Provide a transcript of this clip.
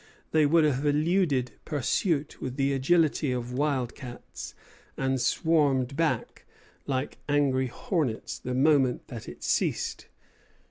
They would have eluded pursuit with the agility of wildcats, and swarmed back, like angry hornets, the moment that it ceased.